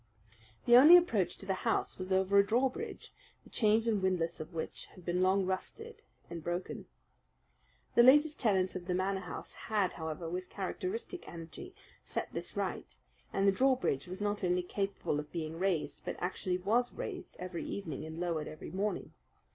The only approach to the house was over a drawbridge, the chains and windlass of which had long been rusted and broken. The latest tenants of the Manor House had, however, with characteristic energy, set this right, and the drawbridge was not only capable of being raised, but actually was raised every evening and lowered every morning.